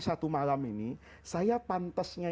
satu malam ini saya pantasnya